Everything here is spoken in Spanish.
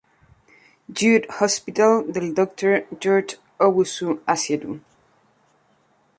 Jude Hospital del Dr. George Owusu-Asiedu.